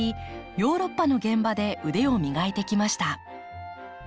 ヨーロッパの現場で腕を磨いてきました。